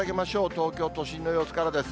東京都心の様子からです。